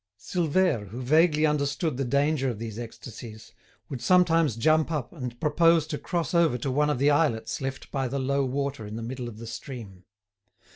Silvère, who vaguely understood the danger of these ecstasies, would sometimes jump up and propose to cross over to one of the islets left by the low water in the middle of the stream.